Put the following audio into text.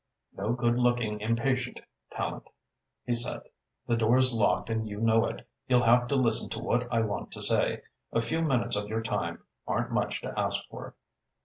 "No good looking impatient, Tallente," he said. "The door's locked and you know it. You'll have to listen to what I want to say. A few minutes of your time aren't much to ask for."